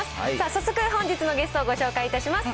早速、本日のゲストをご紹介します。